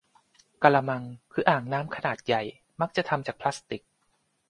กะละมัง คืออ่างน้ำขนาดใหญ่ มักจะทำจากพลาสติก